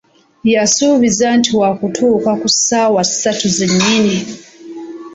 Yasuubiza nti waakutuuka ku ssaawa ssatu ze nnyini.